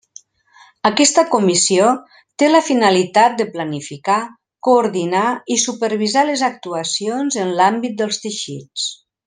Aquesta Comissió té la finalitat de planificar, coordinar i supervisar les actuacions en l'àmbit dels teixits.